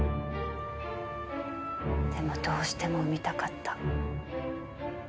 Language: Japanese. でもどうしても産みたかった。